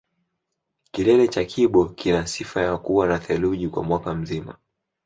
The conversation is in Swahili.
kilele cha kibo kina sifa ya kuwa na theluji kwa mwaka mzima